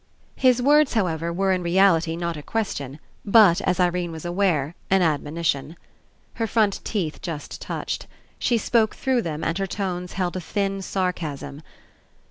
His words, however, were In reality not a question, but, as Irene was aware, an admoni tion. Her front teeth just touched. She spoke through them, and her tones held a thin sar casm.